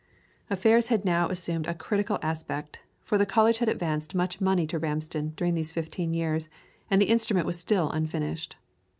Affairs had now assumed a critical aspect, for the college had advanced much money to Ramsden during these fifteen years, and the instrument was still unfinished.